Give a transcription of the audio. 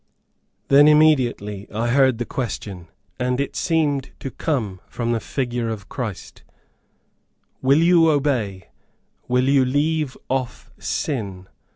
"] Then immediately I heard the question, and it seemed to come from the figure of Christ, "Will you obey? Will you leave off sin?"